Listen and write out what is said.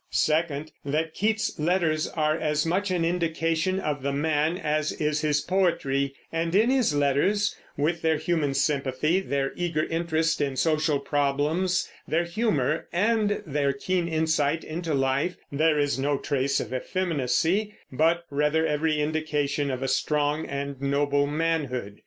Second, that Keats's letters are as much an indication of the man as is his poetry; and in his letters, with their human sympathy, their eager interest in social problems, their humor, and their keen insight into life, there is no trace of effeminacy, but rather every indication of a strong and noble manhood.